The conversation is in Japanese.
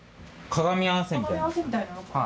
鏡合わせみたいな。